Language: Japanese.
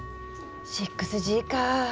６Ｇかぁ。